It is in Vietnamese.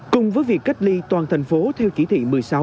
cùng với việc cách ly toàn thành phố theo chỉ thị một mươi sáu